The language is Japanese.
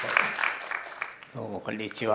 どうもこんにちは。